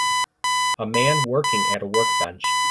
A man working at a workbench.